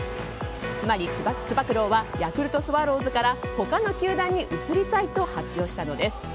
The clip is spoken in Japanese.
つまり、つば九郎はヤクルトスワローズから他の球団に移りたいと発表したのです。